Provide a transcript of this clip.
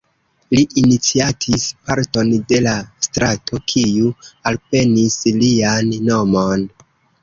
Li iniciatis parton de la strato kiu alprenis lian nomon.